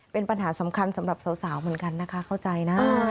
เป็นปัญหาสำคัญสำหรับสาวเหมือนกันนะคะเข้าใจนะ